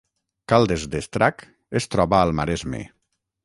Caldes d’Estrac es troba al Maresme